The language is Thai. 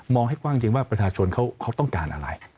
ให้กว้างจริงว่าประชาชนเขาต้องการอะไร